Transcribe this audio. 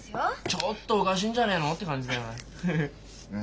ちょっとおかしいんじゃねえのって感じだよね。